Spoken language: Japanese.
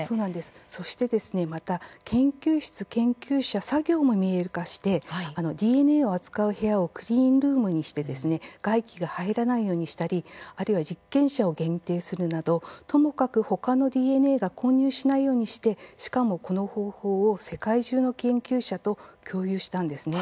そして、また研究室研究者、作業も「見える化」してＤＮＡを扱う部屋をクリーンルームにして外気が入らないようにしたりあるいは、実験者を限定するなどともかく他のＤＮＡが混入しないようにしてしかも、この方法を世界中の研究者と共有したんです。